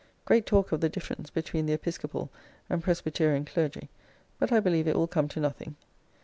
Great talk of the difference between the Episcopal and Presbyterian Clergy, but I believe it will come to nothing.